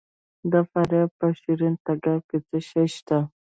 د فاریاب په شیرین تګاب کې څه شی شته؟